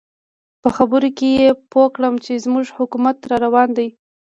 په خبرو کې یې پوه کړم چې زموږ حکومت را روان دی.